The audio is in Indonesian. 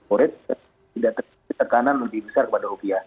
or it tidak terkena lebih besar kepada rupiah